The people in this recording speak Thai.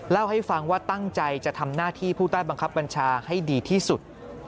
เล่าให้ฟังว่าตั้งใจจะทำหน้าที่ผู้ใต้บังคับบัญชาให้ดีที่สุด